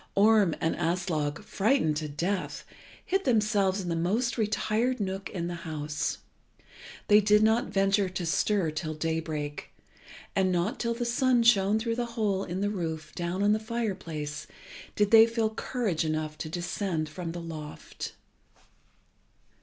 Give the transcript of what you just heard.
Orm and Aslog, frightened to death, hid themselves in the most retired nook in the house. They did not venture to stir till daybreak, and not till the sun shone through the hole in the roof down on the fire place did they feel courage enough to descend from the loft.